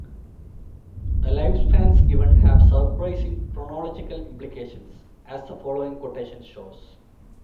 The lifespans given have surprising chronological implications, as the following quotation shows.